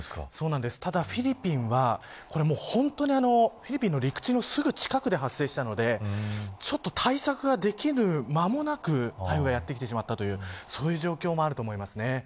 ただフィリピンは本当にフィリピンの陸地のすぐ近くで発生したのでちょっと対策ができる間もなく台風がやってきてしまったという状況もあると思います。